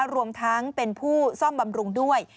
รวมทั้งเป็นผู้ซ่อมบำรุงด้วย